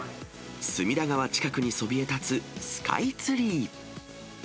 隅田川近くにそびえ立つ、スカイツリー。